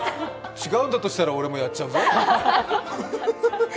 違うんだとしたら、俺もやっちゃうぞ？